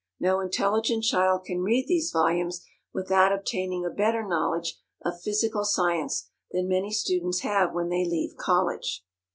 No intelligent child can read these volumes without obtaining a better knowledge of physical science than many students have when they leave college.